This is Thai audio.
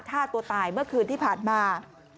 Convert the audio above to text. ฆ่าตัวตายเมื่อคืนที่ผ่านมา